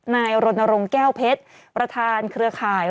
นายรณรงค์แก้วเพชรประธานเครือข่าย